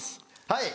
はい。